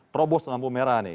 terobos lampu merah nih